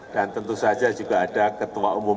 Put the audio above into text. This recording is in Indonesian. dan tentu saja juga ada ketua umum p tiga